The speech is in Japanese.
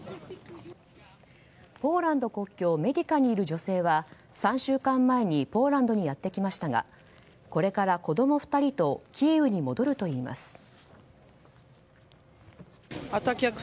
ポーランド国境メディカにいる女性は３週間前にポーランドにやってきましたがこれから子供２人とキーウに戻るといいます。